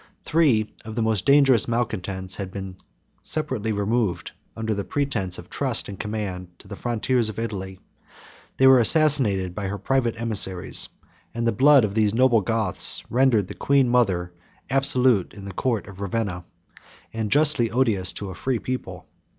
Three of the most dangerous malcontents had been separately removed under the pretence of trust and command, to the frontiers of Italy: they were assassinated by her private emissaries; and the blood of these noble Goths rendered the queen mother absolute in the court of Ravenna, and justly odious to a free people.